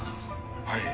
はい。